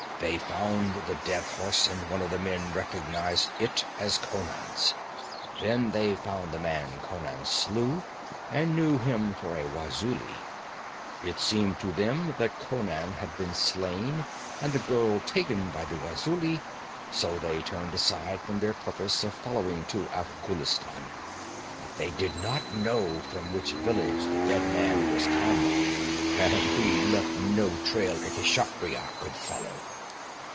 They found the dead horse, and one of the men recognized it as Conan's. Then they found the man Conan slew, and knew him for a Wazuli. It seemed to them that Conan had been slain and the girl taken by the Wazuli; so they turned aside from their purpose of following to Afghulistan. But they did not know from which village the dead man was come, and we had left no trail a Kshatriya could follow.